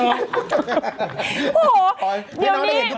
โหเดี๋ยวนี้